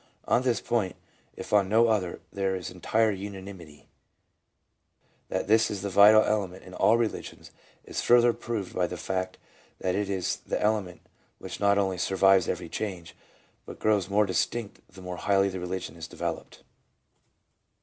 On this point,'if on no other, there is entire unanimity That this is the vital element in all religions is further proved by the fact that it is the element which not only survives every change, but grows more distinct the more highly the religion is" developed.